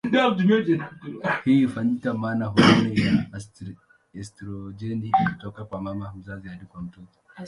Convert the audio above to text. Hii hufanyika maana homoni ya estrojeni hutoka kwa mama mzazi hadi kwa mtoto.